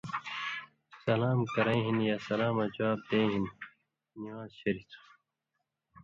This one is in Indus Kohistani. سلام کرَیں ہِن یا سلاماں جواب دیں ہِن نِوان٘ز شریۡ تھُو۔